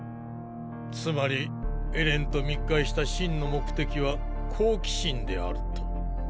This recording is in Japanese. つまりエレンと密会した真の目的は好奇心であると？